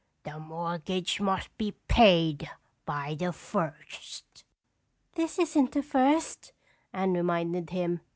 The mortgage must be paid by the first." "This isn't the first," Anne reminded him.